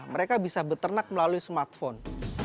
mereka bisa beternak melalui smartphone